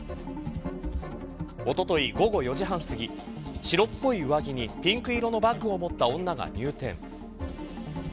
おととい、午後４時半すぎ白っぽい上着に、ピンク色のバッグを持った女が入店。